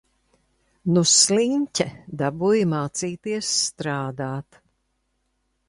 Nu sliņķe dabūja mācīties strādāt.